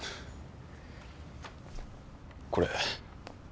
これ。